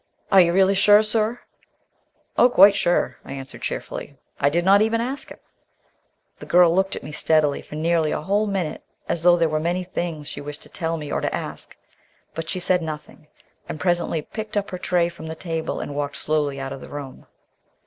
"Are you really sure, sir?" "Oh, quite sure," I answered cheerfully. "I did not even ask him." The girl looked at me steadily for nearly a whole minute as though there were many things she wished to tell me or to ask. But she said nothing, and presently picked up her tray from the table and walked slowly out of the room.